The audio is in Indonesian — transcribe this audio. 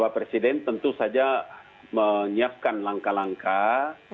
presiden tentu saja menyiapkan langkah langkah